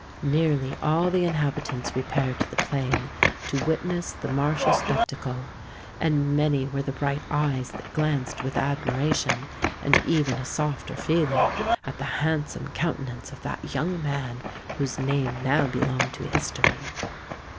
Nearly all the inhabitants repaired to the plain, to witness the martial spectacle; and many were the bright eyes that glanced with admiration—and even a softer feeling—at the handsome countenance of that young man whose name now belonged to history.